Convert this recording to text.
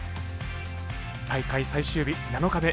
大会最終日、７日目。